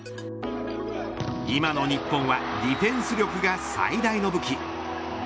今の日本はディフェンス力が最大の武器。